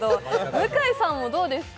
向井さんもどうですか？